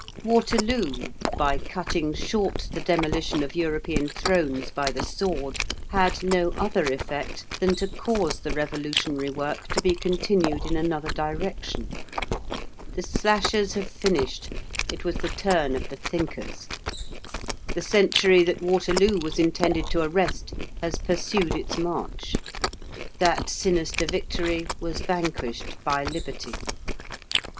Waterloo, by cutting short the demolition of European thrones by the sword, had no other effect than to cause the revolutionary work to be continued in another direction. The slashers have finished; it was the turn of the thinkers. The century that Waterloo was intended to arrest has pursued its march. That sinister victory was vanquished by liberty.